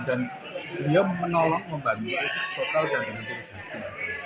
dan beliau menolak membantu itu setotal dan dengan terus hati